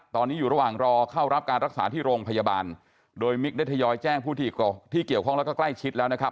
ตอนนี้อยู่ระหว่างรอเข้ารับการรักษาที่โรงพยาบาลโดยมิกได้ทยอยแจ้งผู้ที่เกี่ยวข้องแล้วก็ใกล้ชิดแล้วนะครับ